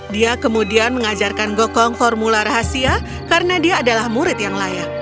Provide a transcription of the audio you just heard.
dia kemudian mengajarkan gokong formula rahasia karena dia adalah murid yang layak